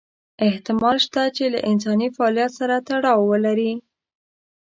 احتمال شته چې له انساني فعالیت سره تړاو ولري.